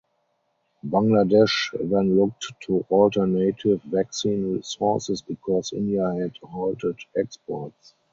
Bangladesh then looked to alternative vaccine sources because India had halted exports.